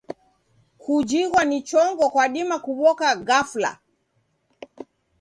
Kujighwa ni chongo kwadima kuw'oka gafla.